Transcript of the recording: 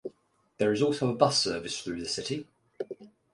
There is also bus service through the city.